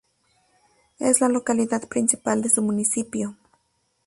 Es la localidad principal de su municipio.